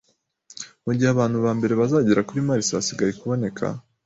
Mugihe abantu ba mbere bazagera kuri Mars hasigaye kuboneka